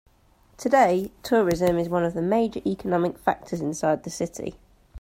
Today, tourism is one of the major economic factors inside the city.